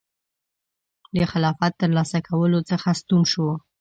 د خلافت ترلاسه کولو څخه ستون شو.